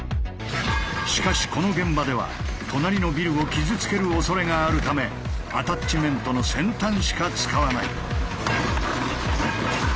しかしこの現場では隣のビルを傷つけるおそれがあるためアタッチメントの先端しか使わない。